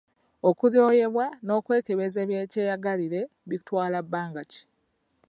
Okulyoyebwa n’okwekebeza ebya kyeyagalire bitwala bbanga ki?